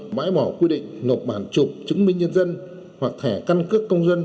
và bãi mỏ quy định nộp bản chụp chứng minh nhân dân hoặc thẻ căn cước công dân